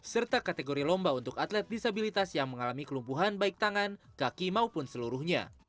serta kategori lomba untuk atlet disabilitas yang mengalami kelumpuhan baik tangan kaki maupun seluruhnya